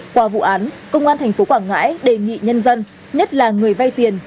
qua vụ án công an tp quảng ngãi đề nghị nhân dân nhất là người vay tiền